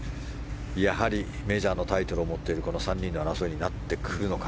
やはりメジャーのタイトルを持っているこの３人の争いになってくるのか。